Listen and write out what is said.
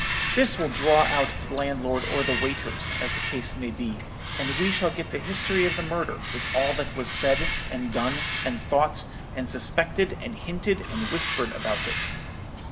This will draw out the landlord or the waiters, as the case may be, and we shall get the history of the murder, with all that was said, and done, and thought, and suspected and hinted, and whispered about it.